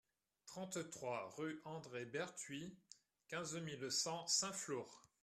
trente-trois rue André Bertuit, quinze mille cent Saint-Flour